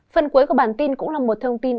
phần cuối của bản tin cũng là một thông tin